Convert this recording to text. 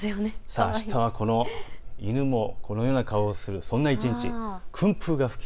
あしたは犬もこんな顔をするそんな一日。